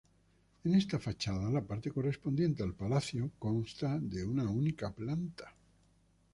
En esta fachada, la parte correspondiente al palacio, consta de una única planta.